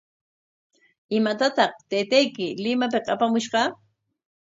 ¿Imatataq taytayki Limapik apamushqa?